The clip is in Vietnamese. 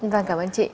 vâng cảm ơn chị